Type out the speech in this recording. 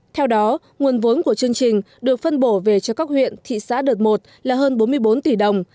theo đó nguồn vốn của chương trình được phân bổ về cho các huyện thị xã đợt một là hơn bốn mươi bốn tỷ đồng